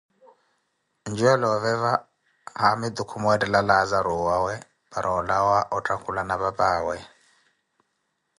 njuwalooveva haamitu kumwettela Laazaru owaawe para olawa otthakhulana papaawe .